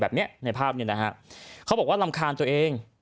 แบบเนี้ยในภาพเนี่ยนะฮะเขาบอกว่ารำคาญตัวเอง